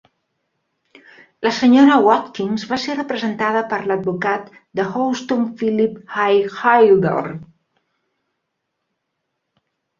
La Sra. Watkins va ser representada per l'advocat de Houston Philip H. Hilder.